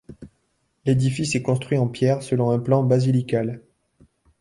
L’édifice est construit en pierre selon un plan basilical.